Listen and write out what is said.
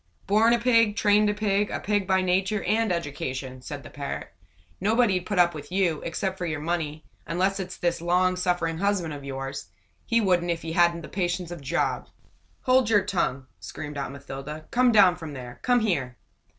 "Born a Pig trained a Pig a Pig by nature and education!" said the parrot. "Nobody'd put up with you, except for your money; unless it's this long suffering husband of yours. He wouldn't, if he hadn't the patience of Job!" "Hold your tongue!" screamed Aunt Mathilda. "Come down from there! Come here!"